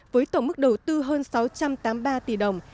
với tổng mức đầu tư hơn sáu trăm tám mươi ba tỷ đồng